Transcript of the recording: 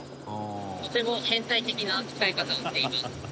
とても変態的な使い方をしています。